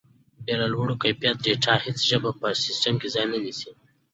بې له لوړ کیفیت ډیټا هیڅ ژبه په سیسټم کې ځای نه نیسي.